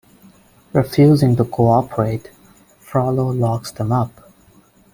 Refusing to cooperate, Frollo locks them up.